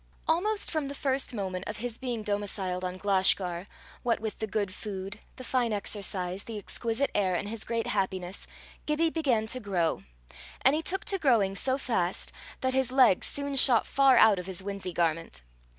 Almost from the first moment of his being domiciled on Glashgar, what with the good food, the fine exercise, the exquisite air, and his great happiness, Gibbie began to grow; and he took to growing so fast that his legs soon shot far out of his winsey garment.